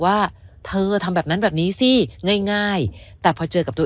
ว่าเธอทำแบบนั้นแบบนี้สิง่ายแต่พอเจอกับตัวเอง